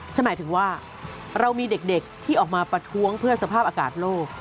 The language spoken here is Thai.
หมายถึงว่าเรามีเด็กที่ออกมาประท้วงเพื่อสภาพอากาศโลก